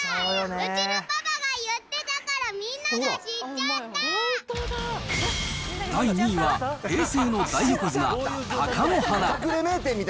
うちのパパが言ってたから、第２位は、平成の大横綱・貴乃花。